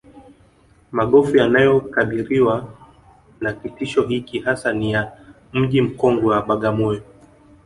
Magofu yanayokabiriwa na kitisho hiki hasa ni ya Mji mkongwe wa Bagamoyo